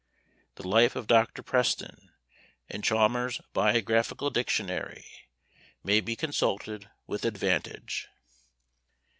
The life of Dr. Preston, in Chalmers's Biographical Dictionary, may be consulted with advantage.